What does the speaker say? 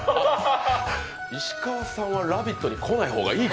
石川さんは「ラヴィット！」にこない方がいい。